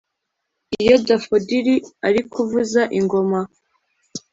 iyo daffodili ari kuvuza ingoma